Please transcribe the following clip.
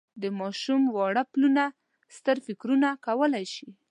د ماشوم واړه پلونه ستر فکرونه کولای شي.